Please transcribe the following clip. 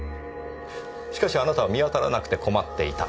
しかしあなたは見当たらなくて困っていた。